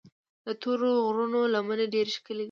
د تورو غرونو لمنې ډېرې ښکلي دي.